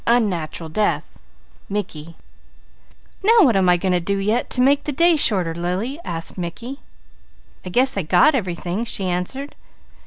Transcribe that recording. CHAPTER V Little Brother "Now what am I going to do yet to make the day shorter, Lily?" asked Mickey. "I guess I got everything," she answered.